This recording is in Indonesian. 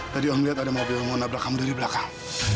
tadi orang lihat ada mobil yang mau nabrak kamu dari belakang